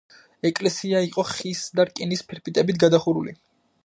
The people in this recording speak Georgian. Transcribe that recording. ეკლესია იყო ხის და რკინის ფირფიტებით გადახურული.